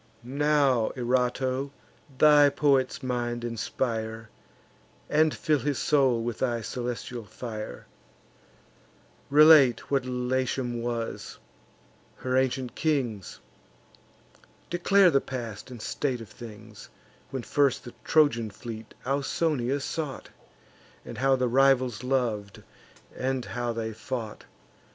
Now, Erato, thy poet's mind inspire, And fill his soul with thy celestial fire! Relate what Latium was; her ancient kings; Declare the past and present state of things, When first the Trojan fleet Ausonia sought, And how the rivals lov'd, and how they fought.